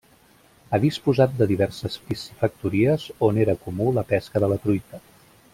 Ha disposat de diverses piscifactories on era comú la pesca de la truita.